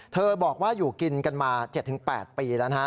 บอกว่าอยู่กินกันมา๗๘ปีแล้วนะฮะ